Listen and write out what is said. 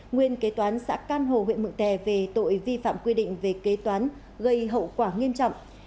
nguyên kế toán xã can hồ huyện mường tè về tội vi phạm quy định về kế toán gây hậu quả nghiêm trọng